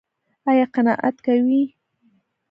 ایا قناعت کوئ؟